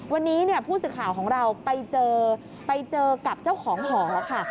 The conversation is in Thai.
วันนี้ผู้สื่อข่าวของเราไปเจอกับเจ้าของห่อแล้วค่ะ